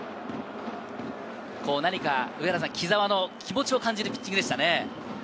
何か木澤の気持ちを感じるピッチングでしたね。